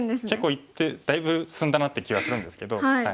結構いってだいぶ進んだなって気はするんですけど。